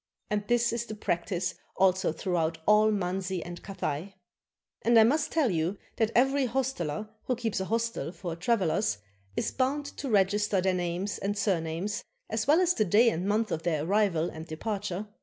And this is the practice also throughout all Manzi and Cathay. And I must tell you that every hosteler who keeps an hostel for travelers is bound to register their names and surnames, as well as the day and month of their arrival and departure.